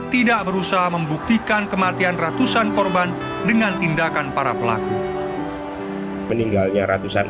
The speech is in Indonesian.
tidak berusaha membuktikan kematian ratusan korban dengan tindakan para pelaku meninggalnya ratusan